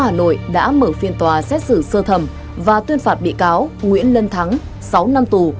hà nội đã mở phiên tòa xét xử sơ thẩm và tuyên phạt bị cáo nguyễn lân thắng sáu năm tù